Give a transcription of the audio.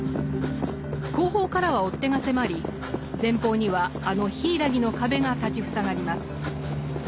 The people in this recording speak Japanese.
後方からは追っ手が迫り前方にはあの柊の壁が立ち塞がります。